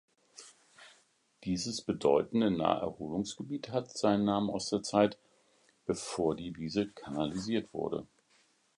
Dieses bedeutende Naherholungsgebiet hat seinen Namen aus der Zeit, bevor die Wiese kanalisiert wurde.